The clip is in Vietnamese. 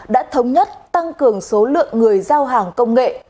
đã thống nhất tăng cường số lượng người giao hàng công nghệ